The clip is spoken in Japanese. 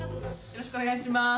よろしくお願いします。